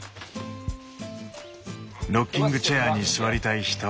ロッキングチェアに座りたい人？